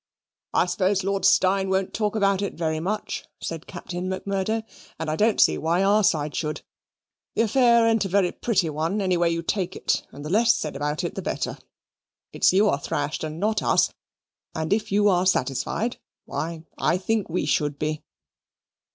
"I suppose Lord Steyne won't talk about it very much," said Captain Macmurdo; "and I don't see why our side should. The affair ain't a very pretty one, any way you take it, and the less said about it the better. It's you are thrashed, and not us; and if you are satisfied, why, I think, we should be."